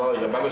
oh bagus bagus